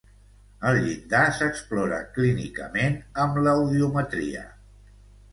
El llindar s'explora, clínicament, amb l'audiometria.